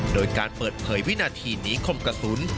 โดยการเปิดเผยวินาทีหนีคมกระสุน